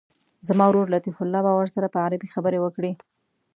زما ورور لطیف الله به ورسره په عربي خبرې وکړي.